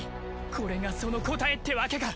これがその答えってわけか。